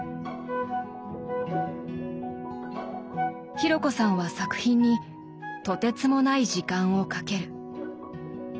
紘子さんは作品にとてつもない時間をかける。